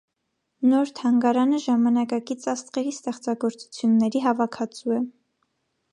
Նոր թանգարանը ժամանակակից «աստղերի» ստեղծագործությունների հավաքածու է։